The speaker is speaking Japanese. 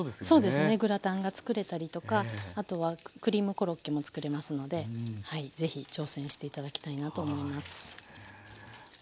そうですねグラタンが作れたりとかあとはクリームコロッケも作れますのでぜひ挑戦して頂きたいなと思います。